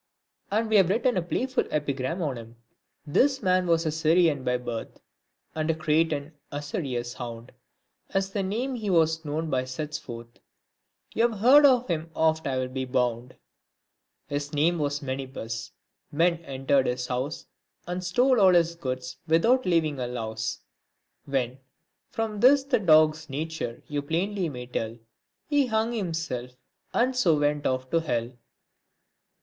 And we have written a playful epigram on him :— This man was a Syrian by birth, p And a Cretan usurious hound, As the name he was known by sets forth ; You've heard of him oft I'll be bound ; His name was Menippus — men entered his house, And stole all his goods without leaving a louse, When (from this the dog's nature you plainly may tell) He hung himself up, and so went off to hell.